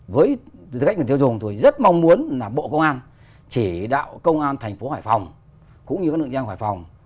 với tư cách người tiêu dùng tôi rất mong muốn bộ công an chỉ đạo công an thành phố hải phòng cũng như các nội dung hải phòng